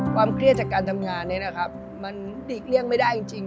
เครียดจากการทำงานนี้นะครับมันหลีกเลี่ยงไม่ได้จริง